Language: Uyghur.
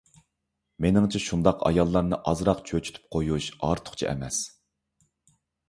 مېنىڭچە شۇنداق ئاياللارنى ئازراق چۆچۈتۈپ قويۇش ئارتۇقچە ئەمەس.